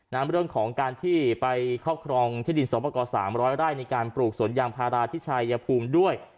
เรื่องของการที่ไปครอบครองที่ดินสอบประกอบ๓๐๐ไร่ในการปลูกสวนยางพาราที่ชายภูมิด้วย